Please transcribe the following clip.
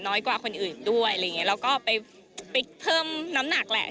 กว่าคนอื่นด้วยอะไรอย่างเงี้แล้วก็ไปไปเพิ่มน้ำหนักแหละ